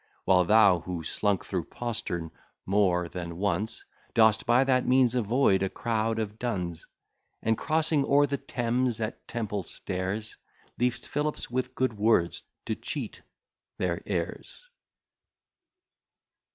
While thou, who slunk thro' postern more than once, Dost by that means avoid a crowd of duns, And, crossing o'er the Thames at Temple Stairs, Leav'st Phillips with good words to cheat their ears.